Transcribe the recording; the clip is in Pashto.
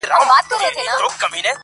چي دا مي څرنگه او چاته سجده وکړه,